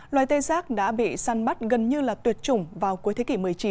loài tê giác đã bị săn bắt gần như là tuyệt chủng vào cuối thế kỷ một mươi chín